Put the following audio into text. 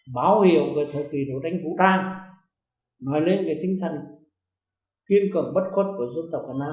báo hiệu về thời kỳ đấu tranh vũ trang nói lên tinh thần kiên cường bất khuất của dân tộc việt nam